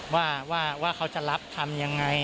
ว่าเขาจะรับทำยังไง